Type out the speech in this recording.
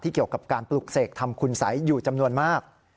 เกี่ยวกับการปลุกเสกทำคุณสัยอยู่จำนวนมาก